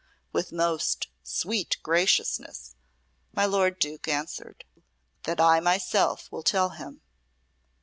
"With most sweet graciousness," my lord Duke answered her. "That I myself will tell him."